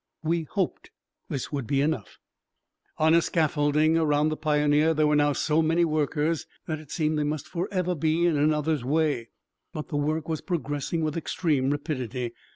We hoped this would be enough. On the scaffolding around the Pioneer there were now so many workers that it seemed they must forever be in one another's way. But the work was progressing with extreme rapidity.